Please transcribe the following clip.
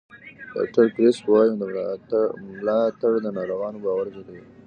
ډاکټر کریسپ وایي ملاتړ د ناروغانو باور زیاتوي.